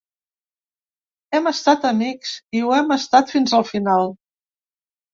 Hem estat amics i ho hem estat fins al final.